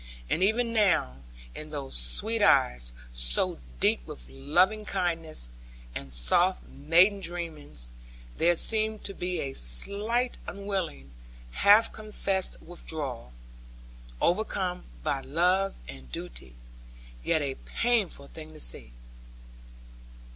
And even now, in those sweet eyes, so deep with loving kindness, and soft maiden dreamings, there seemed to be a slight unwilling, half confessed withdrawal; overcome by love and duty, yet a painful thing to see.